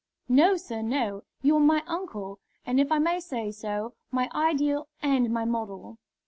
"No, sir, no! You are my uncle, and, if I may say so, my ideal and my model."